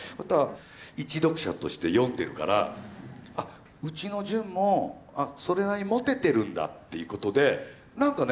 一読者として読んでるから「あっうちのじゅんもそれなりにモテてるんだ」っていうことでなんかね